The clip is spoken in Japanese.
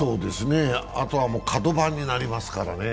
あとはカド番になりますからね。